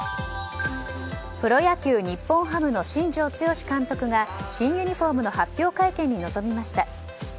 プロ野球日本ハムの新庄剛志監督が新ユニホームの発表会見に臨みました。